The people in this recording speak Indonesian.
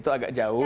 itu agak jauh